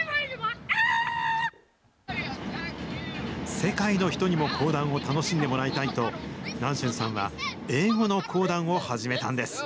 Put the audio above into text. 世界の人にも講談を楽しんでもらいたいと、南春さんは、英語の講談を始めたんです。